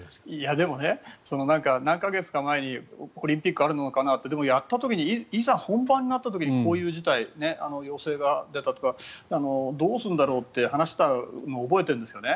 でも、何か月か前にオリンピックあるのかなってでもやった時にいざ本番で、こういう事態陽性が出たとかどうするんだろうと話したのを覚えてるんですよね。